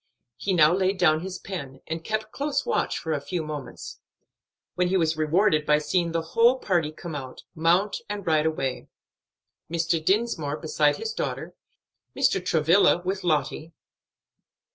He now laid down his pen, and kept close watch for a few moments, when he was rewarded by seeing the whole party come out, mount, and ride away; Mr. Dinsmore beside his daughter, Mr. Travilla with Lottie.